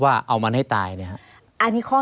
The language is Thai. หรือว่าแม่ของสมเกียรติศรีจันทร์